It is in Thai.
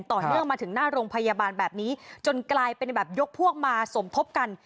ต่อเนื่องมาถึงหน้าโรงพยาบาลแบบนี้จนกลายเป็นแบบยกพวกมาสมทบกัน